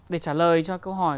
để trả lời cho câu hỏi